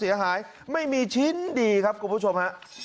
เสียหายไม่มีชิ้นดีครับครับกรุ่งผู้ชม๕๕๕๕๕๕